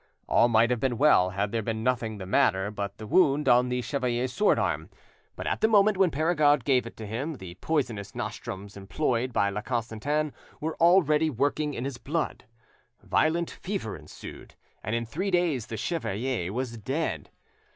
All might have been well had there been nothing the matter but the wound on the chevalier's sword arm. But at the moment when Perregaud gave it to him the poisonous nostrums employed by La Constantin were already working in his blood. Violent fever ensued, and in three days the chevalier was dead.